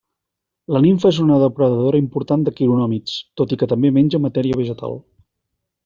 La nimfa és una depredadora important de quironòmids, tot i que també menja matèria vegetal.